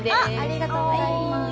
ありがとうございます。